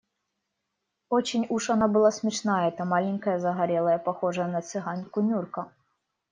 Очень уж она была смешная, эта маленькая, загорелая, похожая на цыганку Нюрка.